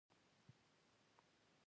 د لمر او کرنې هیواد افغانستان.